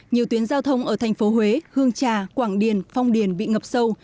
nhiều tuyến giao thông ở tp huế hương trà quảng điền phong điền bị ngập sâu